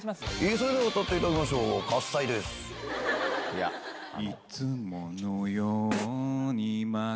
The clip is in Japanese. それでは歌っていただきましょう『喝采』です。いやあの。